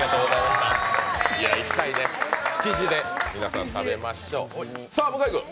行きたいね、築地で皆さん食べましょう。